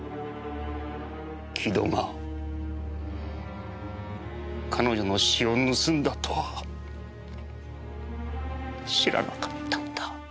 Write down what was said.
城戸が彼女の詩を盗んだとは知らなかったんだ。